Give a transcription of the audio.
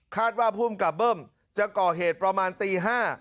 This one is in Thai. ว่าภูมิกับเบิ้มจะก่อเหตุประมาณตี๕